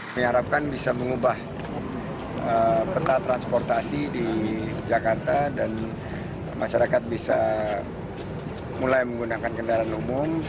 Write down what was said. kami harapkan bisa mengubah peta transportasi di jakarta dan masyarakat bisa mulai menggunakan kendaraan umum